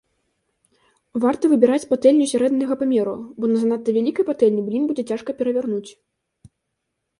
Варта выбіраць патэльню сярэдняга памеру, бо на занадта вялікай патэльні блін будзе цяжка перавярнуць.